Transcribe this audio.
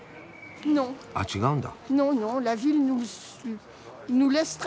あっ違うんだ。